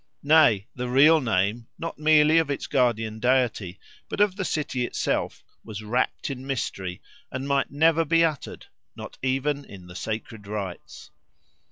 Nay, the real name, not merely of its guardian deity, but of the city itself, was wrapt in mystery and might never be uttered, not even in the sacred rites.